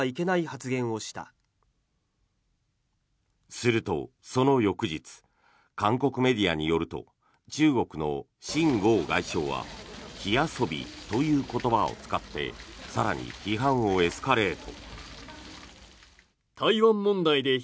すると、その翌日韓国メディアによると中国の秦剛外相は火遊びという言葉を使って更に批判をエスカレート。